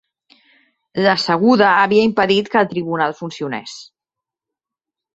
La seguda havia impedit que el tribunal funcionés.